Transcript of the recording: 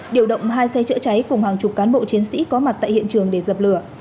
điều động hai xe chữa cháy cùng hàng chục cán bộ chiến sĩ có mặt tại hiện trường để dập lửa